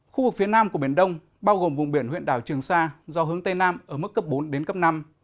khu vực phía nam của biển đông bao gồm vùng biển huyện đảo trường sa gió hướng tây nam ở mức cấp bốn đến cấp năm